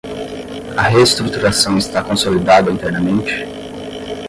a reestruturação está consolidada internamente?